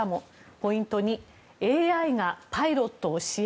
ポイント２ＡＩがパイロットを支援